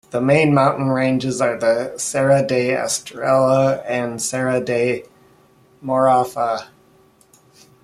The main mountain ranges are the Serra da Estrela and Serra da Marofa.